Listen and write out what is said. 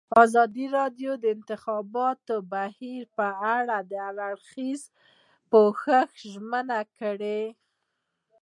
ازادي راډیو د د انتخاباتو بهیر په اړه د هر اړخیز پوښښ ژمنه کړې.